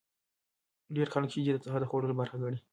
ډیر خلک شیدې د سهار د خوړلو برخه ګڼي.